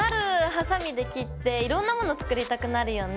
ハサミで切っていろんなもの作りたくなるよね。